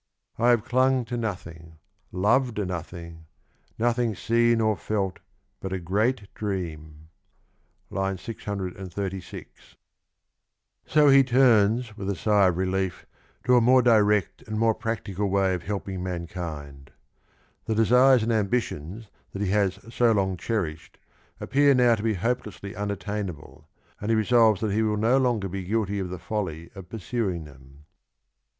I have clung To nolhing, lov'd a nothinq , nothing seen Or felt but a great dream! (I\'. 636) 79 So he turns with a sigh of relief to a more direct and more practical way of helping mankind. The desires and ambitions that he has so long cherished appear now to be hopelessly unattainable, and he resolves that he will no longer be guilty of the folly of pursuing them.